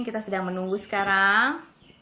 kita sedang menunggu sekarang